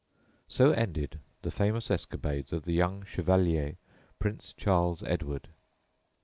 So ended the famous escapades of the young Chevalier Prince Charles Edward.